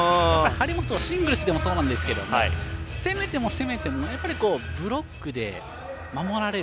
シングルスでもそうなんですが攻めても攻めてもブロックで守られる。